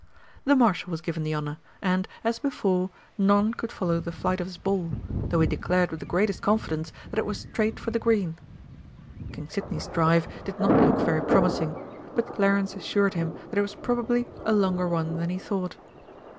The Marshal was given the honour, and, as before, none could follow the flight of his ball, though he declared with the greatest confidence that it was straight for the green. King Sidney's drive did not look very promising, but Clarence assured him that it was probably a longer one than he thought.